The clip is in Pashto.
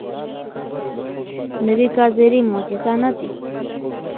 نو ګازرې معجزه نه دي.